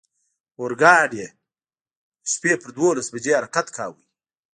اورګاډی د شپې پر دولس بجې حرکت کاوه.